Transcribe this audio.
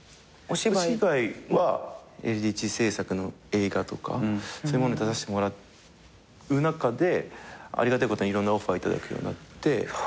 お芝居はＬＤＨ製作の映画とかそういうものに出させてもらう中でありがたいことにいろんなオファー頂くようになって。